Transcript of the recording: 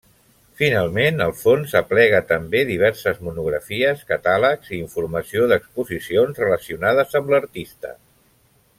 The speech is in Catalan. Finalment, el fons aplega també diverses monografies, catàlegs i informació d'exposicions relacionades amb l'artista.